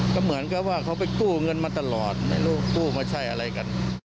ก็เหมือนกับว่าเขาไปกู้เงินมาตลอดในโลกกู้มาใช่อะไรกัน